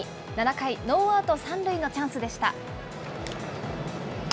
７回ノーアウト３塁のチャンスでした。